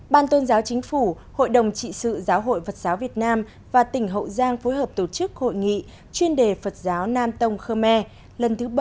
ban tôn giáo chính phủ hội đồng trị sự giáo hội phật giáo việt nam và tỉnh hậu giang phối hợp tổ chức hội nghị chuyên đề phật giáo nam tông khơ me lần thứ bảy